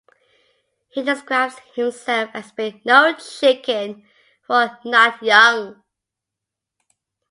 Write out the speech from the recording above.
He describes himself as being "no chicken" for "not young".